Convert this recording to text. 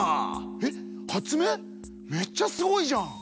めっちゃすごいじゃん！